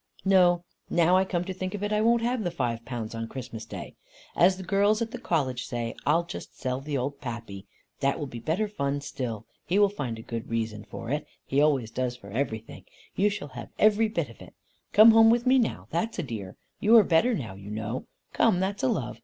"No. Now I come to think of it, I won't have the five pounds on Christmas day. As the girls at the College say, I'll just sell the old Pappy. That will be better fun still. He will find a good reason for it. He always does for everything. You shall have every bit of it. Come home with me now, that's a dear. You are better now, you know. Come, that's a love.